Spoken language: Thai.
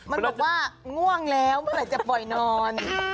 มันบอกว่าง่วงแล้วเมื่อไหร่จะปล่อยนอน